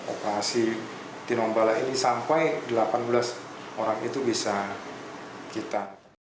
operasi tinombala ini sampai delapan belas orang itu bisa kita